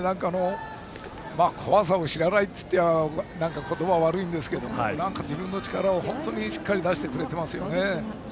怖さを知らないと言うと言葉は悪いんですけど自分の力をしっかり出してくれていますよね。